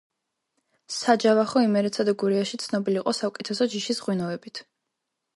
საჯავახო იმერეთსა და გურიაში ცნობილი იყო საუკეთესო ჯიშის ღვინოებით.